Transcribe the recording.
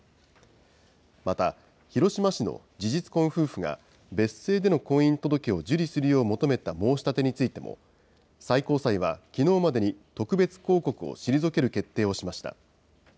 また、広島市の事実婚夫婦が、別姓での婚姻届を受理するよう求めた申し立てについても、最高裁はきのうまでに特別抗告を退ける決定をしました。